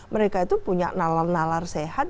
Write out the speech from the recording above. mereka itu punya nalar nalar sehat